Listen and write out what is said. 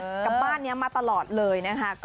กลับบ้านมาตลอดเลย